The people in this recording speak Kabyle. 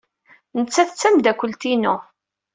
Nettat d tameddakelt-inu.